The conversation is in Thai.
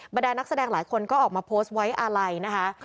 ดานักแสดงหลายคนก็ออกมาโพสต์ไว้อาลัยนะคะ